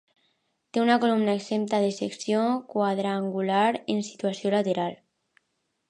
Té una columna exempta de secció quadrangular en situació lateral.